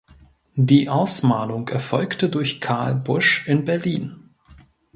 Die Ausmalung erfolgte durch Carl Busch in Berlin.